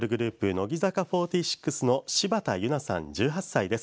乃木坂４６の柴田柚菜さん、１８歳です。